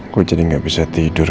gue jadi gak bisa tidur